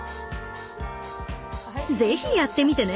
ぜひやってみてね！